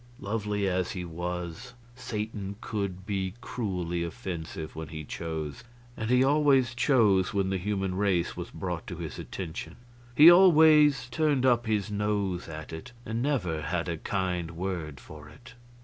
Lovely as he was, Satan could be cruelly offensive when he chose; and he always chose when the human race was brought to his attention. He always turned up his nose at it, and never had a kind word for it.